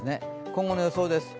今後の予想です。